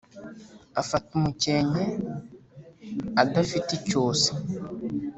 afata umukenke adafite icyusa